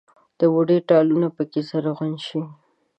د بوډۍ ټالونه پکښې زرغونه شي